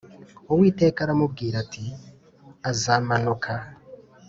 ” Uwiteka aramubwira ati “Azamanuka.”